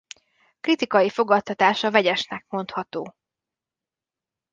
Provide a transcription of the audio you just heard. Kritikai fogadtatása vegyesnek mondható.